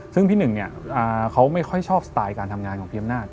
ซึ่งพี่หนึ่งเนี่ยเขาไม่ค่อยชอบสไตล์การทำงานของพี่อำนาจ